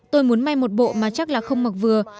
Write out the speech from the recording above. tôi muốn may một bộ mà chắc là không mặc vừa